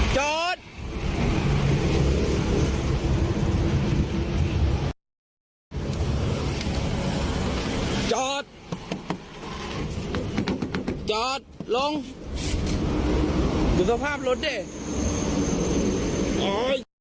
จอดจอดจอดลงอยู่สภาพรถดิโอ้ยเจ็บแขน